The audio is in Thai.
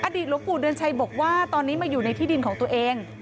หลวงปู่เดือนชัยบอกว่าตอนนี้มาอยู่ในที่ดินของตัวเอง